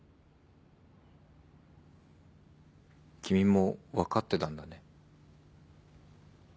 君も分かってたんだね。